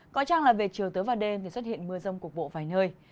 có chăng là về chiều tối và đêm thì xuất hiện mưa rông cục bộ vài nơi